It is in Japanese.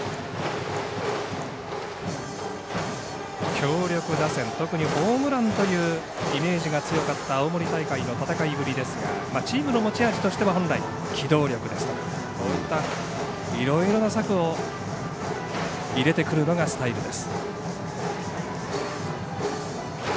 強力打線、特にホームランというイメージが強かった青森大会の戦いぶりですがチームの持ち味としては本来機動力ですとかこういったいろいろな策を入れてくるのがスタイルです。